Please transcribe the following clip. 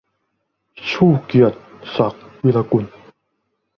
ชูเกียรติ ศักดิ์วีระกุล